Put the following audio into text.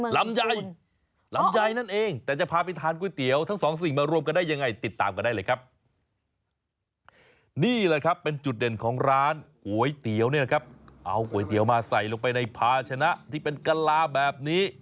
ลำใจลำใจนั่นเองแต่จะพาไปทานก๋วยเตี๋ยวทั้งสองสิ่งมารวมกันได้ยังไงติดตามกันได้เลยครับ